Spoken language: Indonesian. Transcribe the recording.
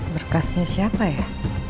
berkasnya siapa ya